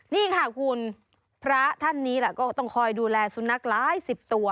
นี่ค่ะคุณพระท่านนี้แหละก็ต้องคอยดูแลสุนัขหลายสิบตัว